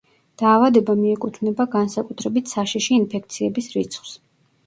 დაავადება მიეკუთვნება განსაკუთრებით საშიში ინფექციების რიცხვს.